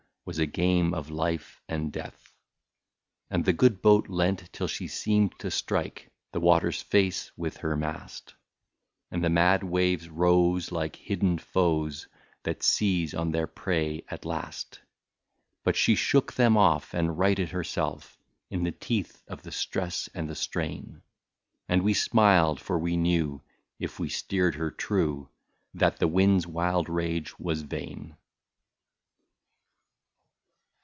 Must be played for life and death. And the good boat leant till she seemed to strike The water's face with her mast. And the swift waves rose like hidden foes. That seize on their prey at last. 1 68 But she shook them off and righted herself, In the teeth of the stress and the strain ; And we smiled, for we knew, if we steered her true. That the wind's wild rage was vain.